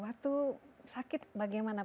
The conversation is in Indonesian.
waktu sakit bagaimana